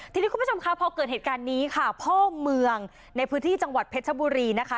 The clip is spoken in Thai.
ทีนี้คุณผู้ชมค่ะพอเกิดเหตุการณ์นี้ค่ะพ่อเมืองในพื้นที่จังหวัดเพชรบุรีนะคะ